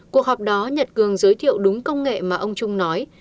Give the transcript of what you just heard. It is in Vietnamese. cuộc họp đó nhật cường giới thiệu đúng công nghệ mà ông trung nói